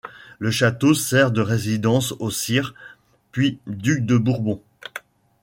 Le château sert de résidence aux sires, puis ducs de Bourbon.